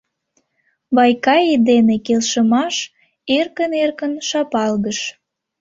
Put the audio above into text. Вайкаи дене келшымаш эркын-эркын шапалгыш.